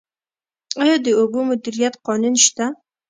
آیا د اوبو مدیریت قانون شته؟